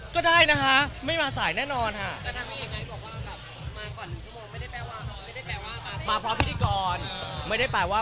เพราะฉะนั้นเนี่ย